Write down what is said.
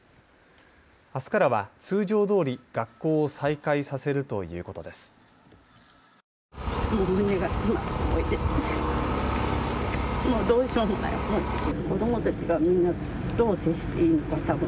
あすからは通常どおり学校を再開させるということです。